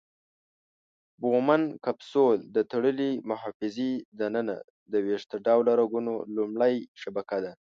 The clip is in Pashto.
بومن کپسول د تړلې محفظې د ننه د ویښته ډوله رګونو لومړۍ شبکه ده.